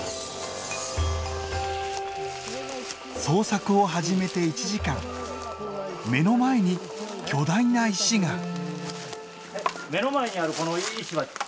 捜索を始めて１時間目の前に巨大な石が。